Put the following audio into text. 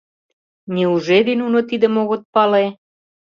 — Неужели нуно тидым огыт пале?